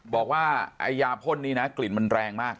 บอกว่าไอ้ยาพ่นนี้นะกลิ่นมันแรงมาก